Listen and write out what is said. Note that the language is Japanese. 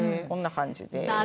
こんな感じです。